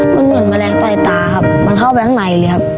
มันเหมือนแมลงไฟตาครับมันเข้าไปข้างในเลยครับ